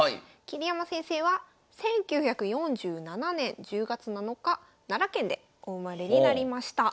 桐山先生は１９４７年１０月７日奈良県でお生まれになりました。